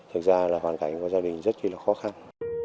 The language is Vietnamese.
thực ra là hoàn cảnh của gia đình rất là khó khăn